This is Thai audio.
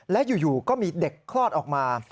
และอยู่ก็มีเด็กคลอดออกมา